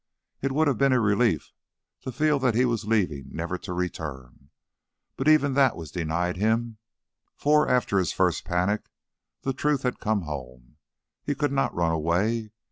It would have been a relief to feel that he was leaving never to return; but even that was denied him, for, after his first panic, the truth had come home. He could not run away.